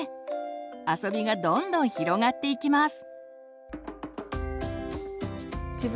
あそびがどんどん広がっていきます。